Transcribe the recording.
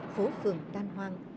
phố phường tan hoang